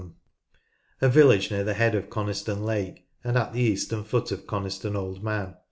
A village near the head of Coniston Lake, and at the eastern foot of Coniston Old Man.